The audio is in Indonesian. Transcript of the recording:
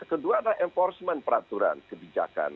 kedua adalah enforcement peraturan kebijakan